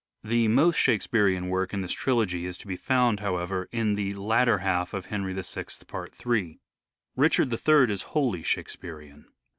The most Shakespearean work in this trilogy is to be found, however, in the latter half of "Henry VI," part 3. "Richard III" is wholly Shakespearean.